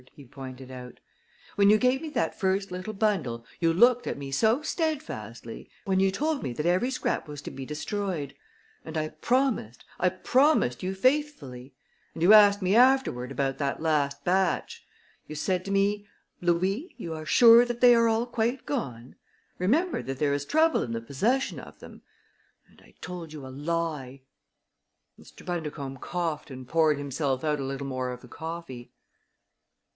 he pointed out. "When you gave me that first little bundle you looked at me so steadfastly when you told me that every scrap was to be destroyed; and I promised I promised you faithfully. And you asked me afterward about that last batch. You said to me: 'Louis, you are sure that they are all quite gone? Remember that there is trouble in the possession of them!' And I told you a lie!" Mr. Bundercombe coughed and poured himself out a little more of the coffee.